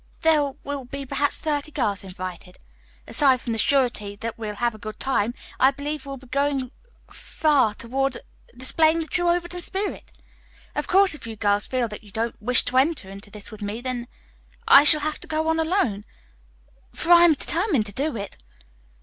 There will be perhaps thirty girls invited. Aside from the surety that we'll have a good time, I believe we will be going far toward displaying the true Overton spirit. Of course, if you girls feel that you don't wish to enter into this with me, then I shall have to go on alone, for I am determined to do it.